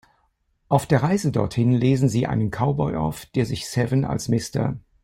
Auf der Reise dorthin lesen sie einen Cowboy auf, der sich Seven als Mr.